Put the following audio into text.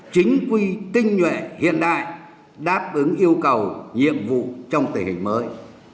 chính quy tinh nhuệ hiện đại đáp ứng yêu cầu nhiệm vụ trong tình hình mới